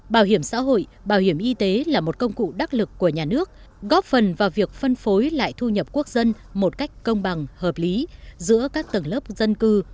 bảo hiểm xã hội bảo hiểm y tế là một công cụ đắc lực của nhà nước góp phần vào việc phân phối lại thu nhập quốc dân một cách công bằng hợp lý giữa các tầng lớp dân cư